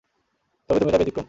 তবে তুমি তার ব্যতিক্রম।